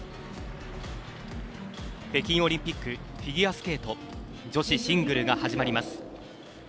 北京オリンピックフィギュアスケート女子シングルが始まります。